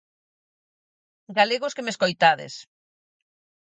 Galegos que me escoitades.